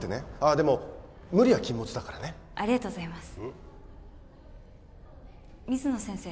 でも無理は禁物だからねありがとうございます水野先生